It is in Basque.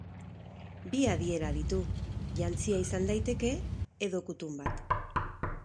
Bi adiera ditu: jantzia izan daiteke, edo kutun bat.